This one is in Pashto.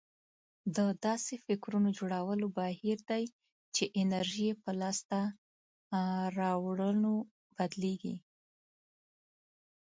دا داسې فکرونه جوړولو بهير دی چې انرژي يې په لاسته راوړنو بدلېږي.